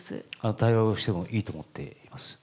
対話をしてもいいと思っています。